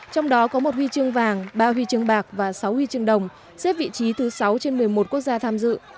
trong đó có một huy chương vàng ba huy chương bạc và sáu huy chương đồng xếp vị trí thứ sáu trên một mươi một quốc gia tham dự